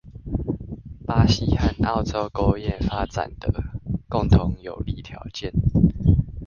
巴西和澳洲工業發展的共同有利條件